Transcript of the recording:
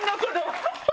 ハハハハ！